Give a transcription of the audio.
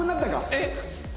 えっ！？